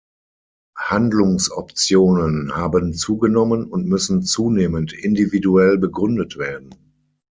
Handlungsoptionen haben zugenommen und müssen zunehmend individuell begründet werden.